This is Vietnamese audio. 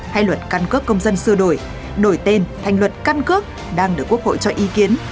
hay luật căn cước công dân sửa đổi đổi tên thành luật căn cước đang được quốc hội cho ý kiến